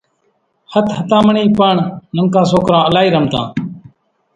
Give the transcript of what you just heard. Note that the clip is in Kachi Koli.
ۿتۿتامڻِي پڻ ننڪان سوڪران الائِي رمتان۔